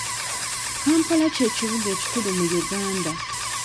Kampala ky'ekibuga ekikulu mu Uganda.